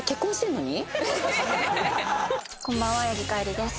こんばんは八木海莉です。